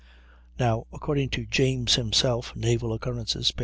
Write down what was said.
Now according to James himself ("Naval Occurrences," p.